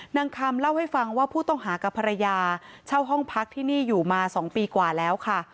นางคำเล่าให้ฟังว่าผู้ต้องหากับภรรยาเช่าห้องพักที่นี่อยู่มา๒ปีกว่าแล้วค่ะ